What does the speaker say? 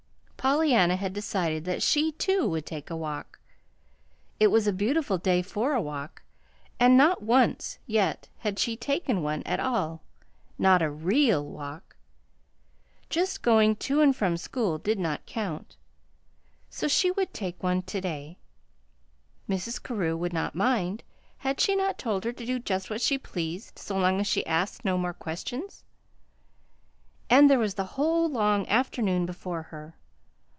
Pollyanna had decided that she, too, would take a walk. It was a beautiful day for a walk, and not once, yet, had she taken one at all not a REAL walk. Just going to and from school did not count. So she would take one to day. Mrs. Carew would not mind. Had she not told her to do just what she pleased so long as she asked no more questions? And there was the whole long afternoon before her.